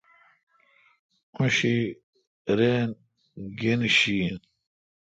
او شی رین گین شی این۔